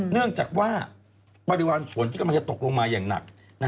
เนื่องจากว่าปริมาณฝนที่กำลังจะตกลงมาอย่างหนัก